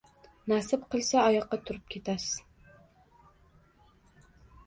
Nasib qilsa oyoqqa turib ketasiz